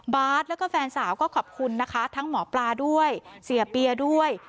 แล้วก็แฟนสาวก็ขอบคุณนะคะทั้งหมอปลาด้วยเสียเปียด้วย